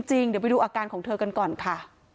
เดี๋ยวไปดูอาการของเธอกันก่อนค่ะ